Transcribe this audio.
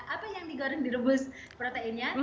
apa yang digoreng direbus proteinnya